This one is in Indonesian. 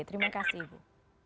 terima kasih ibu